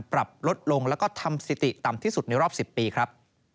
ปรับลดลงแล้วก็ทำสิติต่ำที่สุดในรอบ๑๐ปีครับ